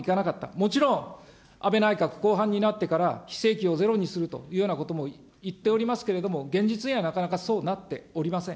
もちろん安倍内閣後半になってから、非正規をゼロにするというようなことも言っておりますけれども、現実にはなかなかそうなっておりません。